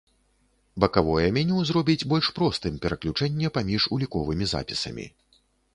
Бакавое меню зробіць больш простым пераключэнне паміж уліковымі запісамі.